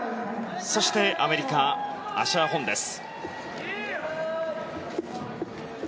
そしてアメリカ、アシャー・ホンです。